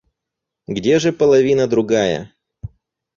Где же половина другая?